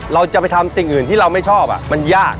เราจะไปทำสิ่งอื่นที่เราไม่ชอบมันยาก